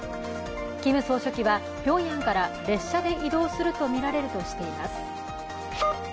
キム総書記はピョンヤンから列車で移動するとみられるとしています。